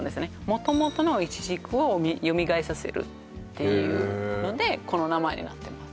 元々のいちじくをよみがえらせるっていうのでこの名前になってます